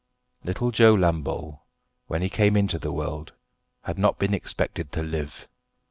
Little Joe Lambole when he came into the world had not been expected to live.